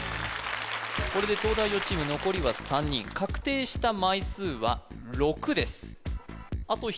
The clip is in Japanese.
これで東大王チーム残りは３人確定した枚数は６です